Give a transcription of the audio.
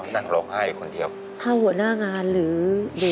ถ้าหัวน่างานหรือ